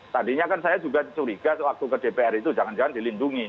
tadinya kan saya juga curiga waktu ke dpr itu jangan jangan dilindungi